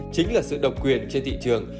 chính là sự độc quyền trên thị trường